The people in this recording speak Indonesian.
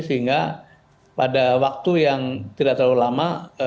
sehingga pada waktu yang tidak terlalu lama